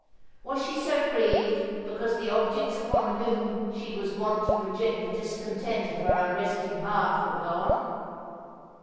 Was she so grieved because the objects upon whom she was wont to project the discontent of her unresting heart were gone?